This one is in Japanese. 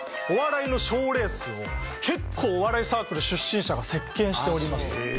お笑いの賞レースを結構お笑いサークル出身者が席巻しておりまして。